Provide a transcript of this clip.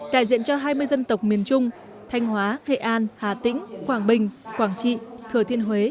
đại diện cho hai mươi dân tộc miền trung thanh hóa nghệ an hà tĩnh quảng bình quảng trị thừa thiên huế